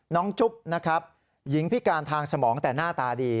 จุ๊บนะครับหญิงพิการทางสมองแต่หน้าตาดี